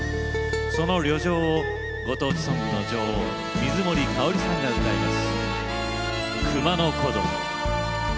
その旅情をご当地ソングの女王水森かおりさんが歌います。